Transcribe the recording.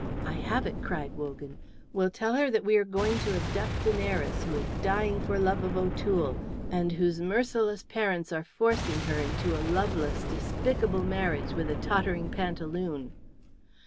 "I have it," cried Wogan. "We'll tell her that we are going to abduct an heiress who is dying for love of O'Toole, and whose merciless parents are forcing her into a loveless, despicable marriage with a tottering pantaloon."